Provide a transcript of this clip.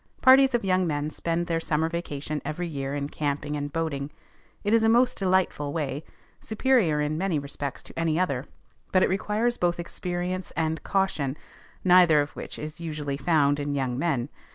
Parties of young men spend their summer vacation every year in camping and boating. It is a most delightful way, superior in many respects to any other, but it requires both experience and caution, neither of which is usually found in young men.